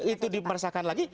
itu dimersahkan lagi